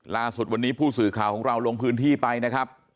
ล่าสุดวันนี้ผู้สื่อข่าวของเราลงพื้นที่ไปนะครับ